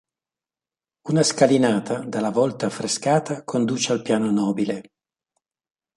Una scalinata, dalla volta affrescata, conduce al piano nobile.